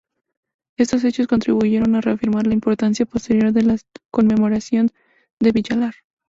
Estos hechos contribuyeron a reafirmar la importancia posterior de la conmemoración de Villalar.